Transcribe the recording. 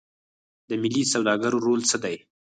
د ملي سوداګرو رول څه دی؟